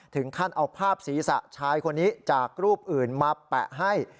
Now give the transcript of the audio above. ถึงขั้นเอาภาพศีรษะชายคนนี้จากรูปอื่นมาแปะให้